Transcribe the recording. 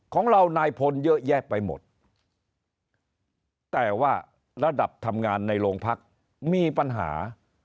ของเรานายพลเยอะแยะไปหมดแต่ว่าระดับทำงานในโรงพักมีปัญหา